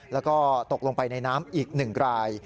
แล้วก็ตกลงไปในน้ำอีก๑ราย